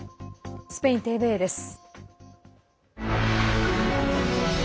スペインＴＶＥです。